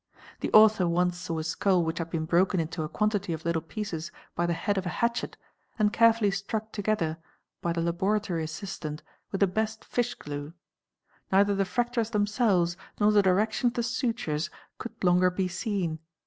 The author once saw a skull which had been broken into a quantity of little pieces by the head of a hatchet and carefully struck together by the laboratory assistant with the best fish glue; ¢ neither the fractures themselves nor the direction of the sutures could a longer be seen.